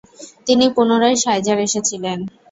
তিনি পুনরায় শাইজার এসেছিলেন।